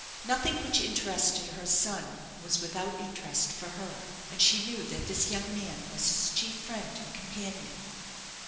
Nothing which interested her son was without interest for her; and she knew that this young man was his chief friend and companion.